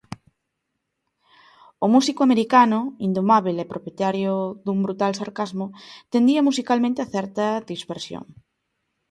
O músico americano, indomábel e propietario dun brutal sarcasmo, tendía musicalmente a certa dispersión.